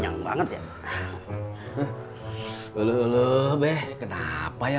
kita perlu katanya